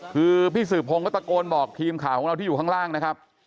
คือพี่สืบพงศ์ก็ตะโกนบอกทีมข่าวของเราที่อยู่ข้างล่างนะครับ